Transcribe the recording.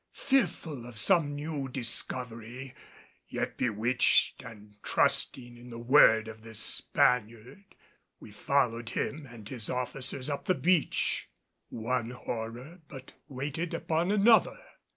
Fearful of some new discovery, yet bewitched and trusting in the word of this Spaniard we followed him and his officers up the beach. One horror but waited upon another.